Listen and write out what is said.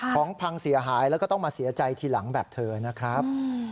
ของพังเสียหายแล้วก็ต้องมาเสียใจทีหลังแบบเธอนะครับ